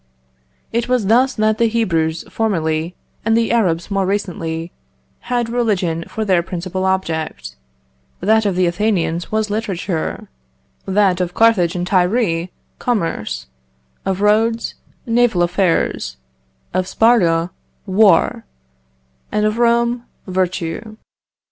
"It was thus that the Hebrews formerly, and the Arabs more recently, had religion for their principal object; that of the Athenians was literature; that of Carthage and Tyre, commerce; of Rhodes, naval affairs; of Sparta, war; and of Rome, virtue.